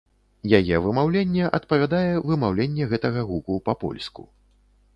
Яе вымаўленне адпавядае вымаўленне гэтага гуку па-польску.